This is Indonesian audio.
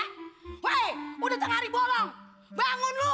baik udah tengah hari bolong bangun lu